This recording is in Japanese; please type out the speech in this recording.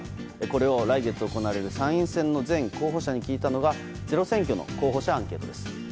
これを来月行われる参院選の全候補者に聞いたのがｚｅｒｏ選挙の候補者アンケートです。